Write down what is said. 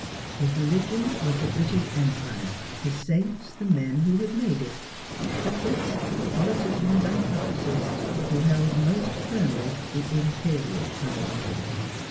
His religion was the British Empire; his saints, the men who had made it; his prophets, the politicians and publicists who held most firmly the Imperial tone.